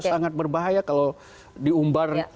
sangat berbahaya kalau diumbar